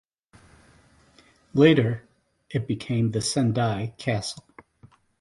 Later, it became the Sendai castle.